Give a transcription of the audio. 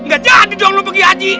gak jadi dong lu pergi haji